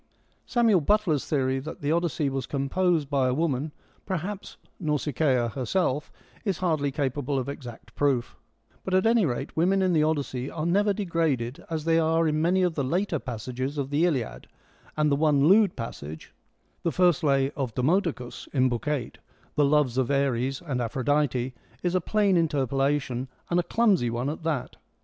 Samuel Butler's theory that the Odyssey was composed by a woman, perhaps Nausicaa herself, is hardly capable of exact proof, but at any rate women in the Odyssey are never degraded as they are in many of the later passages of the Iliad, and the one lewd passage, the first lay of Demodocus (in Book 8), ' the loves of Ares and Aphrodite,' is a plain interpolation, and a clumsy one at that.